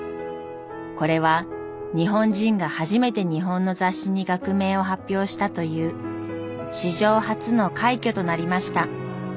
これは日本人が初めて日本の雑誌に学名を発表したという史上初の快挙となりました。